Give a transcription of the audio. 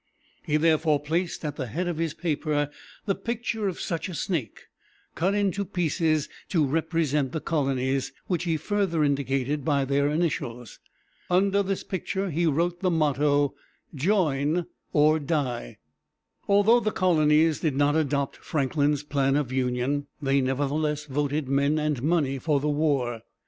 He therefore placed at the head of his paper the picture of such a snake, cut into pieces to represent the colonies, which he further indicated by their initials. Under this picture he wrote the motto: "Join or die." Although the colonies did not adopt Franklin's plan of union, they nevertheless voted men and money for the war.